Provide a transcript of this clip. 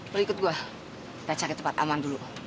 lu ikut gua kita cari tempat aman dulu